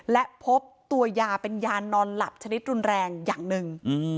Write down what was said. และพบตัวยาเป็นยานอนหลับชนิดรุนแรงอย่างหนึ่ง